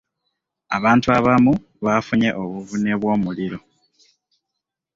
Abantu abamu baafunye obuvune bw'omuliro.